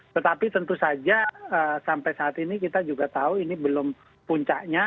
tetapi tentu saja sampai saat ini kita juga tahu ini belum puncaknya